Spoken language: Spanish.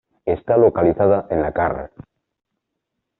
Está localizada en la carr.